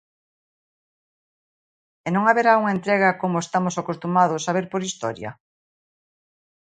E non haberá unha entrega como estamos acostumados a ver por historia.